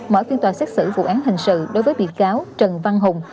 mở phiên tòa xét xử vụ án hình sự đối với bị cáo trần văn hùng